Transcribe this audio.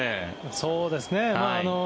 そうですね。